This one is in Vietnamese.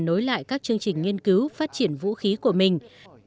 nối lại các chương trình nghiên cứu phát triển vũ khí của mình